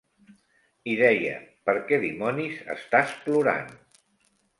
Hi deia: "Per què dimonis estàs plorant?".